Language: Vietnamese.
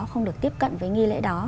không được tiếp cận với nghi lễ đó